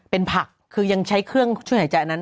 เป็นผักคือยังใช้เครื่องช่วยหายใจอันนั้น